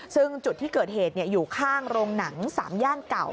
ซึ่งจุดที่เกิดเหตุอยู่ข้างโรงหนัง๓ย่านเก่า